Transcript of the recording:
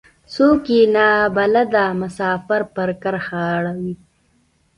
څوک يې نا بلده مسافر پر کرښه اړوي.